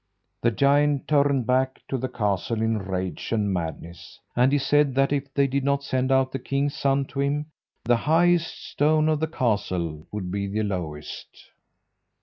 The giant turned back to the castle in rage and madness, and he said that if they did not send out the king's son to him, the highest stone of the castle would be the lowest.